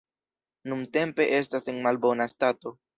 Nuntempe estas en malbona stato.